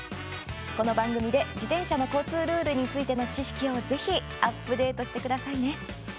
この番組で自転車の交通ルールについての知識をぜひアップデートしてください。